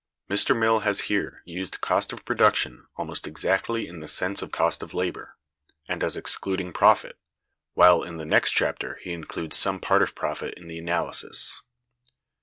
Mr. Mill has here used cost of production almost exactly in the sense of cost of labor, and as excluding profit (while in the next chapter he includes some part of profit in the analysis).